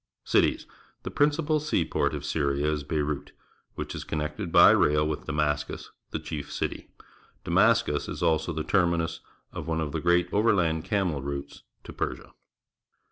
Cities. — The principal seaport of Syria is Beirut, which is connected by rail with Damascus, the chief city. Damascus is also the terminus of one of the great over land camel routes to Persia.